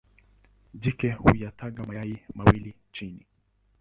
Jike huyataga mayai mawili chini.